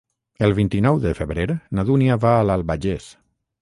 El vint-i-nou de febrer na Dúnia va a l'Albagés.